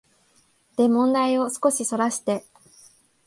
で問題を少しそらして、